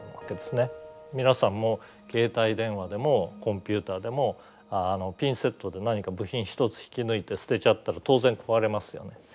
皆さんも携帯電話でもコンピューターでもピンセットで何か部品１つ引き抜いて捨てちゃったら当然壊れますよね。